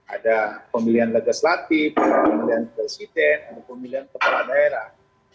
ada pemilihan legislatif pemilihan presiden pemilihan kepala daerah